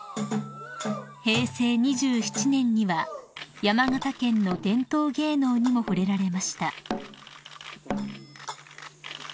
［平成２７年には山形県の伝統芸能にも触れられました］